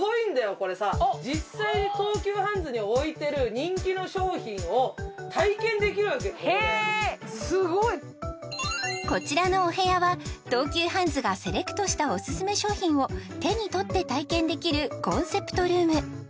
これさ実際に東急ハンズに置いてる人気の商品を体験できるわけこれがへえすごいこちらのお部屋は東急ハンズがセレクトしたおすすめ商品を手に取って体験できるコンセプトルーム